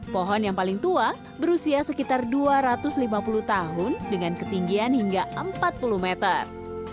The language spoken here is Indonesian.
pohon yang paling tua berusia sekitar dua ratus lima puluh tahun dengan ketinggian hingga empat puluh meter